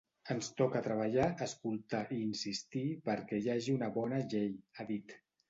Ens toca treballar, escoltar i insistir perquè hi hagi una bona llei, ha dit.